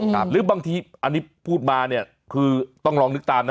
หรือบางทีอันนี้พูดมาเนี่ยคือต้องลองนึกตามนะ